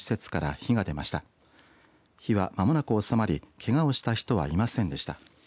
火は間もなく収まりけがをした人はいませんでした。